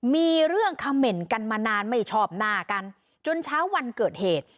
มีเรื่องเขม่นกันมานานไม่ชอบหน้ากันจนเช้าวันเกิดเหตุ